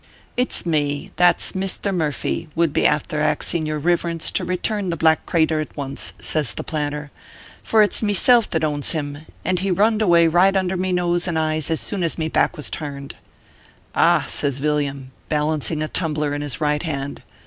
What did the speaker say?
" It s me that s Misther Murphy would be afther axing your riverence to return the black crayture at once/ says the planter ;" for its meself that owns him, and he runn d away right under me nose and eyes as soon as me back was turned." "Ah !" says Yilliam, balancing a tumbler in his right hand.